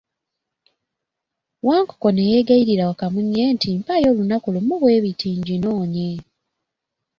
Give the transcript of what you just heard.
Wankoko ne yeegayirira Wakamunye nti, mpaayo olunaku lumu bwe luti nginoonye.